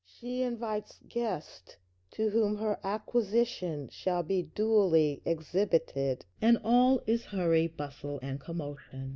She invites guests to whom her Acquisition shall be duly exhibited, and all is hurry, bustle, and commotion.